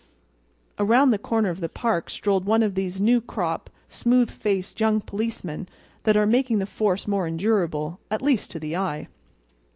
Around the corner of the park strolled one of those new crop, smooth faced young policemen that are making the force more endurable—at least to the eye.